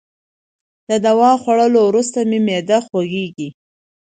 د دوا خوړولو وروسته مي معده خوږیږي.